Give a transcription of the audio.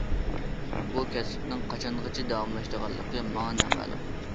بۇ كەسپىمنىڭ قاچانغىچە داۋاملىشىدىغانلىقى ماڭا نامەلۇم.